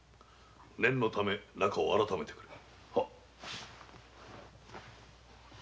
念のために中を改めてくれ。